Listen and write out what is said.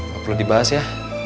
gak perlu dibahas ya